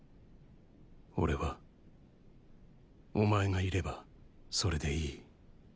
俺はーーお前がいればそれでいい。